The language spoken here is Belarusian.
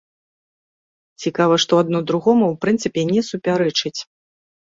Цікава, што адно другому, у прынцыпе, не супярэчыць.